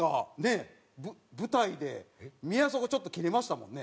舞台で宮迫ちょっとキレましたもんね。